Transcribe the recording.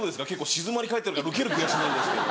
静まり返ってるウケる気がしないんですけど。